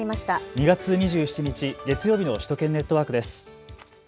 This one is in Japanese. ２月２７日月曜日の首都圏ネットワークです。